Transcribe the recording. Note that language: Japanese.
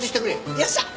よっしゃ。